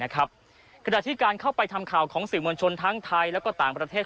ขณะที่การเข้าไปทำข่าวของสื่อมวลชนทั้งไทยและก็ต่างประเทศ